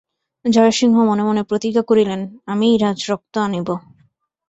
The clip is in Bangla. জয়সিংহ মনে মনে প্রতিজ্ঞা করিলেন, আমিই রাজরক্ত আনিব।